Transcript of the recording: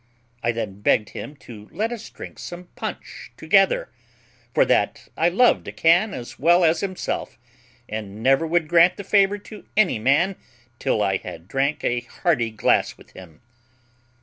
I then begged him to let us drink some punch together; for that I loved a can as well as himself, and never would grant the favour to any man till I had drank a hearty glass with him.